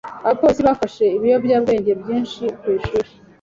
Abapolisi bafashe ibiyobyabwenge byinshi ku ishuri.